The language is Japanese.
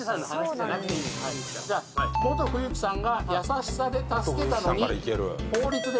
じゃあモト冬樹さんが優しさで助けたのに法律で。